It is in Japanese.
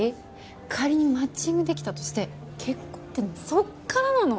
仮にマッチング出来たとして結婚ってのはそっからなの。